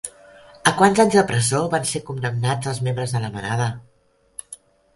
A quants anys de presó van ser condemnats els membres de La Manada?